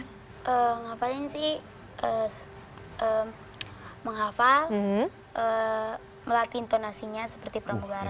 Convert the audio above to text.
ngapain sih menghafal melatih intonasinya seperti pramugara